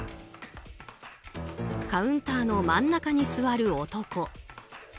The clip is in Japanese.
カウンターの真ん中に座る男。